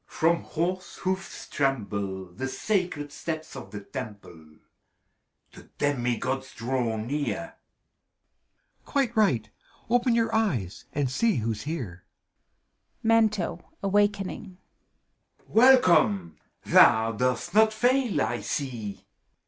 From horse hoofs tremble The sacred steps of the Temple! The Demigods draw near. CHIRON. Quite right! (ypen your eyes, and see who's heret MANTO (awaking). Welcome ! Thou dost not fail, I see.